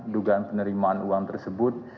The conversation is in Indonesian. dugaan penerimaan uang tersebut